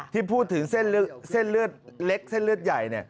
ที่พูดถึงเส้นเลือดเล็กเส้นเลือดใหญ่